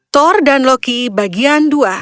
thor dan loki bagian dua